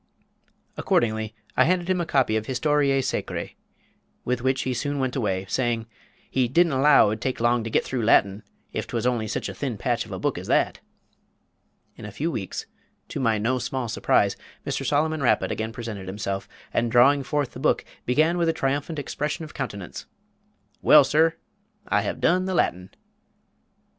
Accordingly, I handed him a copy of Historiæ Sacræ, with which he soon went away, saying, he "didn't allow it would take long to git through Latin, if 'twas only sich a thin patch of a book as that." In a few weeks, to my no small surprise, Mr. Solomon Rapid again presented himself; and drawing forth the book began with a triumphant expression of countenance: "Well, sir, I have done the Latin."